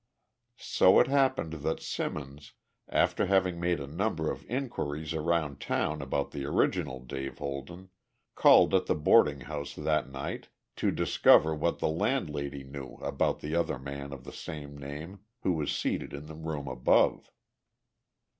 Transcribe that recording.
It so happened that Simmons, after having made a number of inquiries around town about the original Dave Holden, called at the boarding house that night to discover what the landlady knew about the other man of the same name, who was seated in the room above.